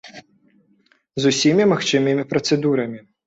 З усімі магчымымі працэдурамі.